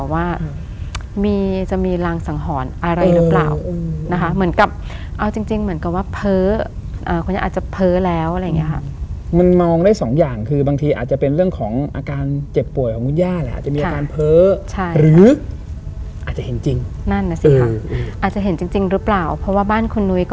ว่ามีจะมีรางสังหรณ์อะไรหรือเปล่านะคะเหมือนกับเอาจริงจริงเหมือนกับว่าเพ้อคุณย่าอาจจะเพ้อแล้วอะไรอย่างเงี้ยค่ะมันมองได้สองอย่างคือบางทีอาจจะเป็นเรื่องของอาการเจ็บป่วยของคุณย่าแหละอาจจะมีอาการเพ้อใช่หรืออาจจะเห็นจริงนั่นน่ะสิค่ะอาจจะเห็นจริงจริงหรือเปล่าเพราะว่าบ้านคุณนุ้ยก็